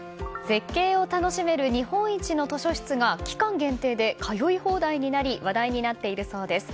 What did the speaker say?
絶景を楽しめる日本一の図書室が期間限定で通い放題になり話題になっているそうです。